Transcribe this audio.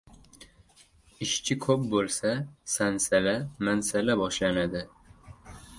• Ishchi ko‘p bo‘lsa, sansala-mansala boshlanadi.